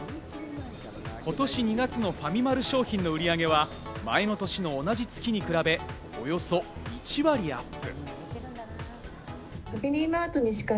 今年２月のファミマル商品の売り上げは前の年の同じ月に比べ、およそ１割アップ。